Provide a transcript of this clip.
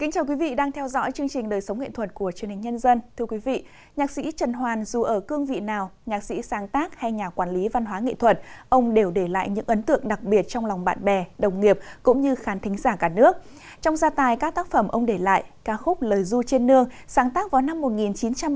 chào mừng quý vị đến với bộ phim hãy nhớ like share và đăng ký kênh của chúng mình nhé